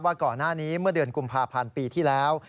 ก่อนหน้านี้เมื่อเดือนกุมภาพันธ์ปีที่แล้ว